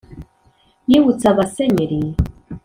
yibutse Abasenyeli